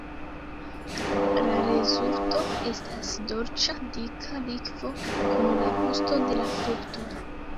La rezulto estas dolĉa, dika likvo kun la gusto de la frukto.